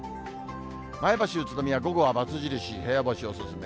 前橋、宇都宮、午後はバツ印、部屋干しお勧め。